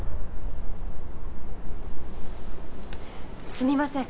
すみません。